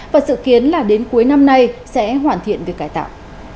và sự kiến là đến cuối năm nay sẽ hoàn thiện việc cải tạo